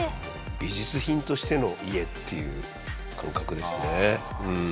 美術品としての家っていう感覚ですねうん。